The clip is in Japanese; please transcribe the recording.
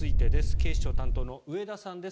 警視庁担当の上田さんです。